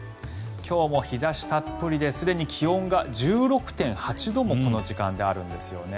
今日も日差したっぷりですでに気温が１６．８度もこの時間であるんですよね。